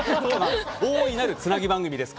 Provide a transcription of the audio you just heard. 大いなる、つなぎ番組です。